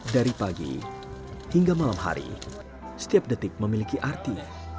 dari pagi hingga malam hari setiap detik memiliki arti